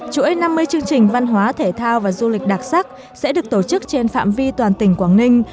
chuỗi năm mươi chương trình văn hóa thể thao và du lịch đặc sắc sẽ được tổ chức trên phạm vi toàn tỉnh quảng ninh